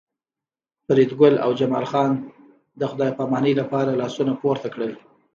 فریدګل او جمال خان د خدای پامانۍ لپاره لاسونه پورته کړل